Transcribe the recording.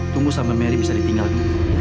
tunggu sampai mary bisa ditinggalin